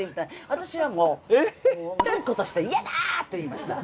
私はもう断固として「嫌だ！」と言いました。